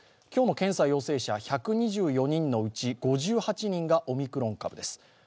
今日の検査陽性者１２４人のうち５８人がオミクロン株です。